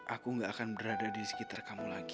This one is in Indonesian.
aku gak akan berada di sekitar kamu lagi